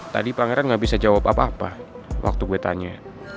tadi pangeran nggak bisa jawab apa apa waktu gue tanya